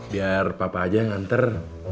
biar papa aja nganter